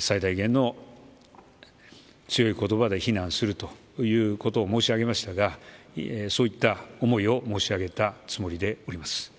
最大限の強い言葉で非難するということを申し上げましたがそういった思いを申し上げたつもりであります。